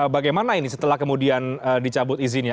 bagaimana ini setelah kemudian dicabut izinnya